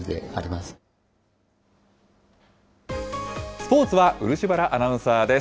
スポーツは漆原アナウンサーです。